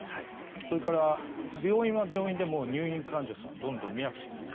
それから、病院は病院で入院患者さんをどんどん診ないといけない。